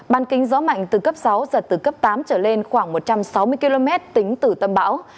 ban kính gió mạnh từ cấp sáu giật từ cấp tám trở lên khoảng một trăm sáu mươi km tính từ tâm bão